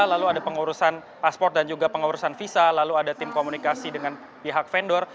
lalu ada pengurusan pasport dan juga pengurusan visa lalu ada tim komunikasi dengan pihak vendor